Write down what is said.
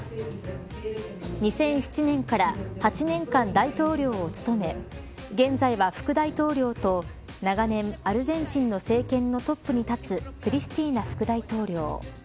２００７年から８年間、大統領を務め現在は副大統領と長年、アルゼンチンの政権のトップに立つクリスティーナ副大統領。